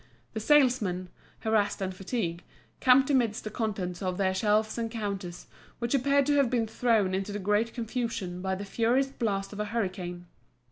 The salesmen, harassed and fatigued, camped amidst the contents of their shelves and counters, which appeared to have been thrown into the greatest confusion by the furious blast of a hurricane.